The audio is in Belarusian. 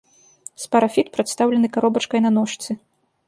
Спарафіт прадстаўлены каробачкай на ножцы.